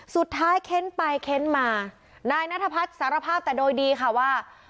เค้นไปเค้นมานายนัทพัฒน์สารภาพแต่โดยดีค่ะว่า